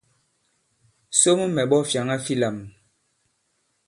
Somo mɛ̀ ɓᴐ fyàŋa fi lām.